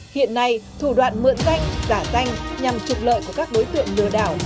hiện nay thủ đoạn mượn danh giả danh nhằm trục lợi của các đối tượng lừa đảo